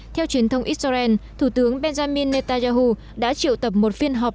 theo truyền thông israel thủ tướng benjamin netanyahu đã triệu tập một phiên họp